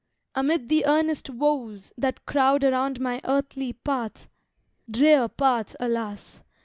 amid the earnest woes That crowd around my earthly path (Drear path, alas!